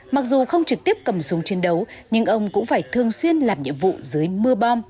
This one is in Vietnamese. mặc dù không trực tiếp cầm súng chiến đấu nhưng ông cũng phải thường xuyên làm nhiệm vụ dưới mưa bom